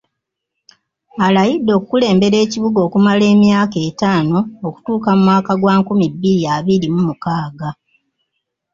Alayidde okukulembera ekibuga okumala emyaka ettaano okutuuka mu mwaka gwa nkumi bbiri abiri mu mukaaga.